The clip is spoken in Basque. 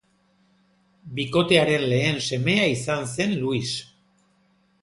Bikotearen lehen semea izan zen Luis.